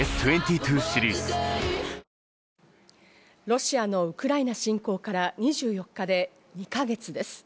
ロシアのウクライナ侵攻から２４日で２か月です。